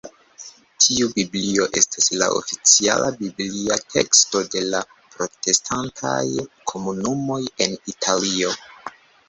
Tiu Biblio estas la oficiala biblia teksto de la protestantaj komunumoj en Italio.